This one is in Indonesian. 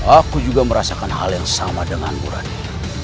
aku juga merasakan hal yang sama dengan bu rani